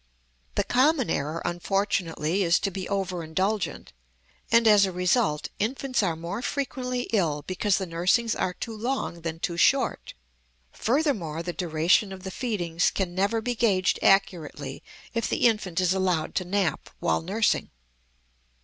The common error, unfortunately, is to be over indulgent, and, as a result, infants are more frequently ill because the nursings are too long, than too short. Furthermore, the duration of the feedings can never be gauged accurately if the infant is allowed to nap while nursing.